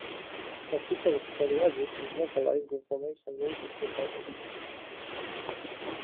A feature of psoriasis is localized inflammation mediated by the immune system.